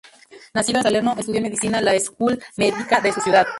Nacido en Salerno, estudió en medicina la Schola Medica de su ciudad.